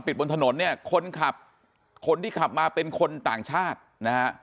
บนถนนเนี่ยคนขับคนที่ขับมาเป็นคนต่างชาตินะฮะ